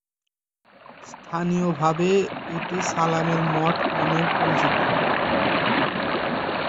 স্থানীয়ভাবে এটি সালামের মঠ নামেও পরিচিত।